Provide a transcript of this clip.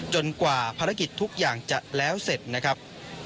กว่าภารกิจทุกอย่างจะแล้วเสร็จนะครับ